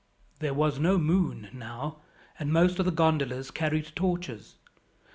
There was no moon now, and most of the gondolas carried torches.